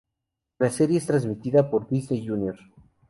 La serie es transmitida por Disney Junior.